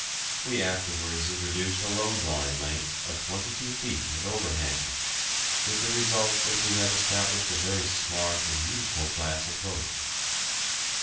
We afterwards introduced a load line length of 22 feet with overhangs, with the result that we have established a very smart and useful class of boat.